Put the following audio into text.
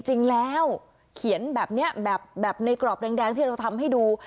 จริงแล้วเขียนแบบนี้แบบในกรอบแดงที่เราทำให้ดู